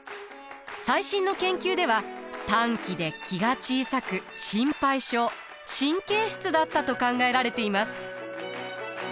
最新の研究では短気で気が小さく心配性神経質だったと考えられています。